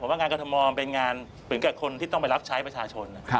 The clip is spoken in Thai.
ว่างานกรทมเป็นงานเหมือนกับคนที่ต้องไปรับใช้ประชาชน